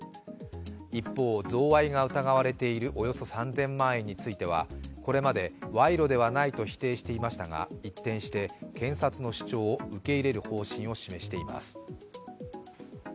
一方、贈賄が疑われているおよそ３０００万円については、これまで賄賂ではないと否定していましたが一転して検察の主張を受け入れる方針を示しています。